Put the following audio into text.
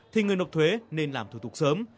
thì người nộp thuế nên làm thủ tục sớm